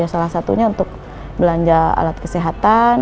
salah satunya untuk belanja alat kesehatan